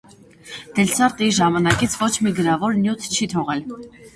Դելսարտը իր ժամանակից ոչ մի գրավոր նյութ չի թողել։